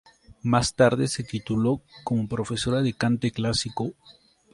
Más tarde se tituló como profesora de cante clásico.